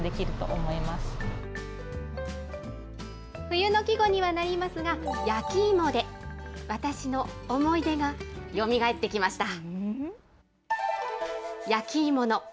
冬の季語にはなりますが、焼き芋で、私の思い出がよみがえってきました。